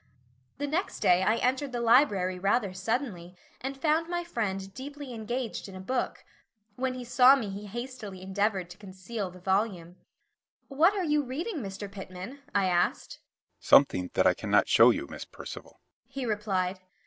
The next day I entered the library rather suddenly and found my friend deeply engaged in a book. When he saw me he hastily endeavored to conceal the volume. "What are you reading, Mr. Pitman?" I asked. "Something that I cannot show you, Miss Percival," he replied.